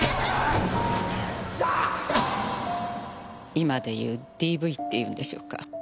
今で言うＤＶって言うんでしょうか。